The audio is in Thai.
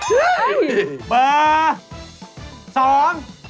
เฮ่ย